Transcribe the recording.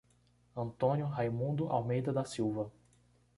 Antônio Raimundo Almeida da Silva